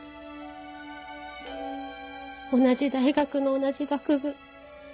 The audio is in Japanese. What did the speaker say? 同じ大学の同じ学部。